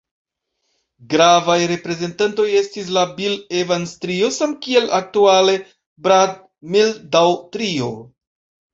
Gravaj reprezentantoj estis la Bill-Evans-Trio samkiel aktuale Brad-Mehldau-Trio.